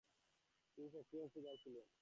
তিনি সক্রিয় অংশীদার ছিলেন।